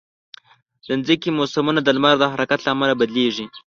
د مځکې موسمونه د لمر د حرکت له امله بدلېږي.